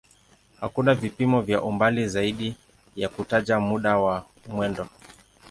Hakuna vipimo vya umbali zaidi ya kutaja muda wa mwendo.